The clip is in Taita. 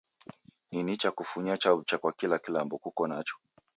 Ni nicha kufunya chaw'ucha kwa kila kilambo kuko nacho.